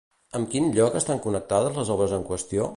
Amb quin lloc estan connectades les obres en qüestió?